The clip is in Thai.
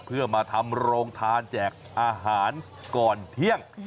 เพื่อมาทำโรงทานแจกอาหารก่อนเที่ยง